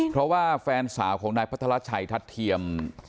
เพราะว่าแฟนสาวของนายพัทรชัยทัศน์เทียม